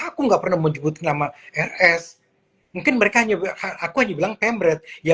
aku nggak pernah menyebut nama rs mungkin mereka nyoba aku aja bilang pemberet ya